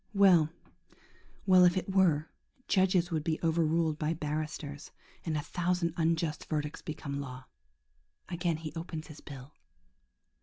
... Well, well, if it were, judges would be overruled by barristers, and a thousand unjust verdicts become law. Again he opens his bill.